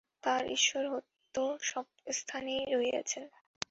আর ঈশ্বর তো সব স্থানেই রহিয়াছেন।